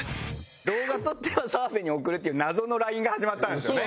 動画撮っては澤部に送るっていう謎のＬＩＮＥが始まったんですよね。